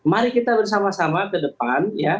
dan mari kita bersama sama ke depan